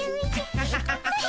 ハハハハハ。